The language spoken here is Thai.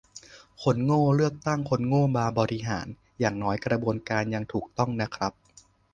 คนโง่เลือกตั้งคนโง่มาบริหาร อย่างน้อยกระบวนการยังถูกต้องนะครับ